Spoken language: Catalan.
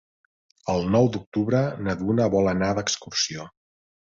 El nou d'octubre na Duna vol anar d'excursió.